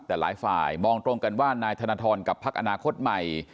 แต่หลายฝ่ายมองตรงกันว่านายธนทรกับพักอนาคตใหม่